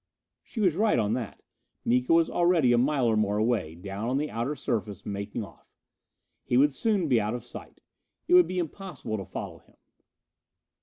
She was right on that. Miko was already a mile or more away, down on the outer surface, making off. He would soon be out of sight. It would be impossible to follow him.